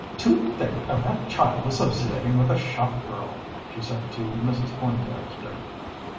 "To think of that child associating with a shop girl!" she said to Mrs. Pointdexter.